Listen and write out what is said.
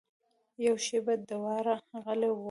يوه شېبه دواړه غلي ول.